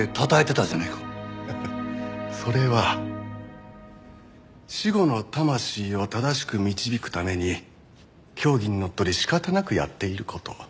ハハッそれは死後の魂を正しく導くために教義にのっとり仕方なくやっている事。